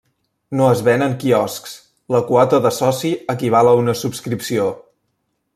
No es ven en quioscs; la quota de soci equival a una subscripció.